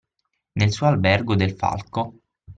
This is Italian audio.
Nel suo Albergo del Falco.